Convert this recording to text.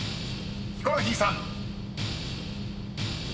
ヒコロヒーさん］